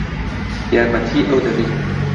یارمەتیی ئەو دەدەین.